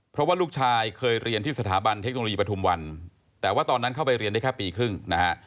เพราะว่าลูกชายเคยเรียนที่สถาบันเทคโนโลยีปฐุมวันแต่ว่าตอนนั้นเข้าไปเรียนได้แค่ปีครึ่งนะฮะ